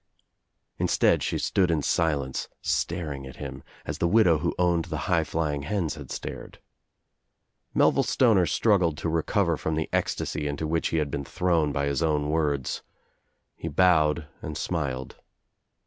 Instead shC' stood in silence, staring at him, as the widow who owned the high flying hens had stared. Melville Stoner struggled to recover from the ecstasy Into' which he had been thrown by his own words. He bowed and smiled.